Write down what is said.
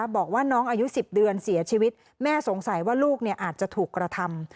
บอกว่าน้องอายุ๑๐เดือนเสียชีวิตแม่สงสัยว่าลูกอาจจะถูกกระทำ